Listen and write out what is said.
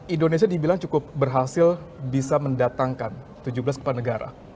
indonesia dibilang cukup berhasil bisa mendatangkan tujuh belas kepandegara